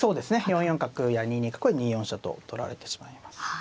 ４四角や２二角は２四飛車と取られてしまいます。